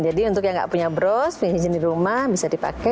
jadi untuk yang nggak punya bros punya cincin di rumah bisa dipakai